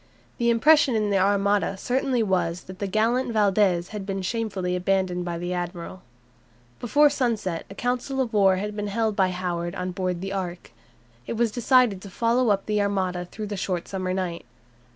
The impression in the Armada certainly was that the gallant Valdes had been shamefully abandoned by the admiral. Before sunset a council of war had been held by Howard on board the "Ark." It was decided to follow up the Armada through the short summer night.